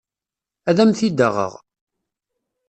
Ad am-t-id-aɣeɣ.